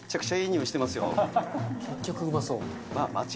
結局うまそう。